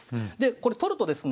これ取るとですね